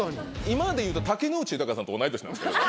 今でいうと竹野内豊さんと同い年なんですけど。